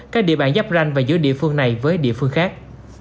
các địa bàn giáp ranh và giữa địa phương này với địa phương khác